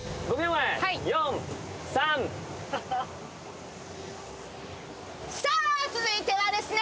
前４３さあー続いてはですね